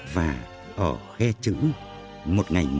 và ở khe chữ một ngày mới đang bắt đầu